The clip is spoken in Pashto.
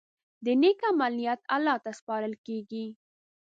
د نیک عمل نیت الله ته سپارل کېږي.